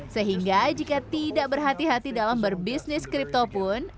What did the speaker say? sehingga jika tidak berhati hati dalam berbisnis kripto pun